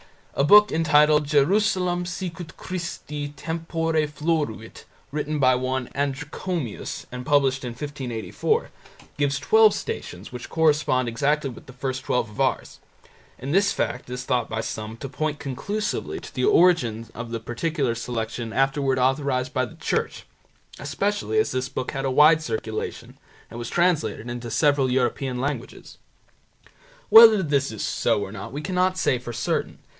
A book entitled "Jerusalem sicut Christi tempore floruit", written by one Adrichomius and published in 1584, gives twelve Stations which correspond exactly with the first twelve of ours, and this fact is thought by some to point conclusively to the origin of the particular selection afterwards authorized by the Church, especially as this book had a wide circulation and was translated into several European languages. Whether this is so or not we cannot say for certain.